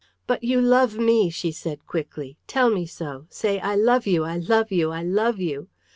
"But you love me," she said quickly. "Tell me so! Say, 'I love you, I love you, I love you.'